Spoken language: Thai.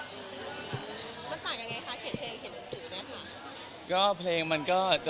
มันต่างยังไงคะเขียนเพลงเขียนหนังสือเนี่ยค่ะ